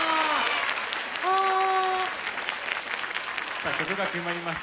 さあ曲が決まりました。